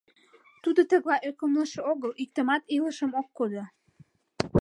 Тудо тыглай ӧкымлышӧ огыл — иктымат илышым ок кодо.